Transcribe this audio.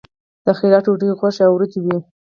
د خیرات ډوډۍ غوښه او وریجې وي.